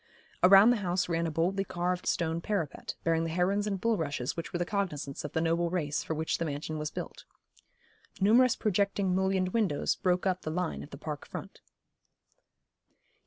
Around the house ran a boldly carved stone parapet, bearing the herons and bulrushes which were the cognisance of the noble race for which the mansion was built. Numerous projecting mullioned windows broke up the line of the park front.